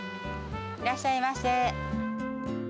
いらっしゃいませ。